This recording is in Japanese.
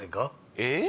えっ？